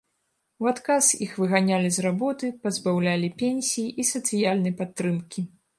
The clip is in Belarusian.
У адказ іх выганялі з работы, пазбаўлялі пенсій і сацыяльнай падтрымкі.